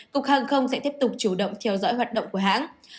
cục hàng không sẽ tiếp tục chủ động theo dõi hoạt động của hãng